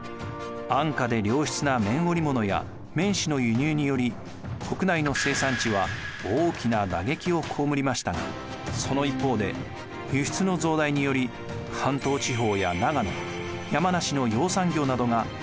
安価で良質な綿織物や綿糸の輸入により国内の生産地は大きな打撃を被りましたがその一方で輸出の増大により関東地方や長野山梨の養蚕業などが大きく発展しました。